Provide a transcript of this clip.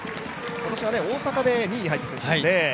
今年は大阪で２位に入っているんですよね。